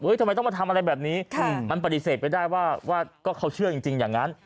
ทำไมต้องมาทำอะไรแบบนี้มันปฏิเสธไปได้ว่าก็เขาเชื่อจริงอย่างนั้น